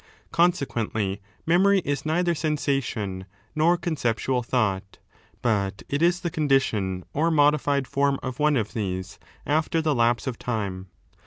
Consequently, memory is neither sensation nor conceptual 4 thought, but it is the condition or modified form of one of these, after the lapse of time.